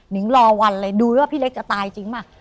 นิ้งรอวันเลยดูแล้วพี่เล็กจะตายจริงไหม